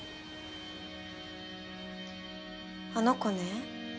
あの子ね